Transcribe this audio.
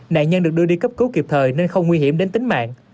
nạn nhân được đưa đi cấp cứu kịp thời nên không nguy hiểm đến tính mạng